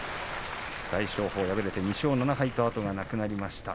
大翔鵬、敗れて２勝７敗と後がなくなりました。